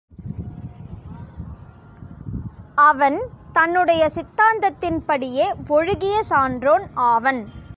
அவன் தன்னுடைய சித்தாந்தத்தின்படியே ஒழுகிய சான்றோன் ஆவன்.